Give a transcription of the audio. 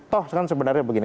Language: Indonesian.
toh kan sebenarnya begini